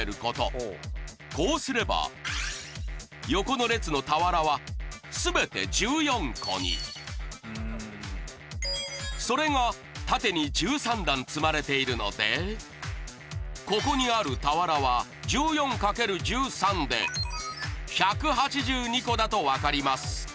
こうすれば横の列の俵は全て１４個にそれが縦に１３段積まれているのでここにある俵は１４×１３で１８２個だとわかります。